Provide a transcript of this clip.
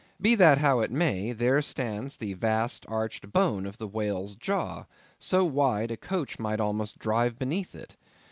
Be that how it may, there stands the vast arched bone of the whale's jaw, so wide, a coach might almost drive beneath it.